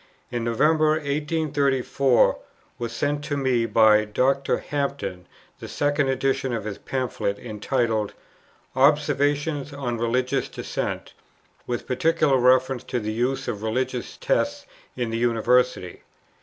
In November, 1834, was sent to me by Dr. Hampden the second edition of his Pamphlet, entitled, "Observations on Religious Dissent, with particular reference to the use of religious tests in the University."